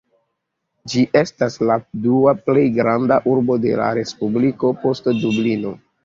Ĝi estas la dua plej granda urbo de la respubliko, post Dublino.